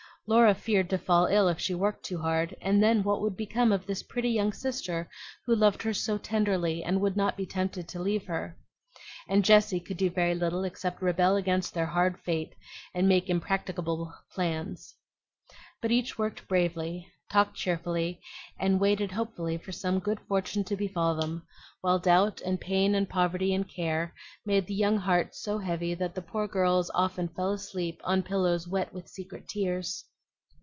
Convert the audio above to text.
Laura feared to fall ill if she worked too hard, and then what would become of this pretty young sister who loved her so tenderly and would not be tempted to leave her? And Jessie could do very little except rebel against their hard fate and make impracticable plans. But each worked bravely, talked cheerfully, and waited hopefully for some good fortune to befall them, while doubt and pain and poverty and care made the young hearts so heavy that the poor girls often fell asleep on pillows wet with secret tears.